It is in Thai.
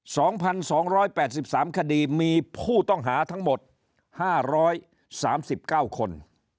สองพันสองร้อยแปดสิบสามคดีมีผู้ต้องหาทั้งหมดห้าร้อยสามสิบเก้าคน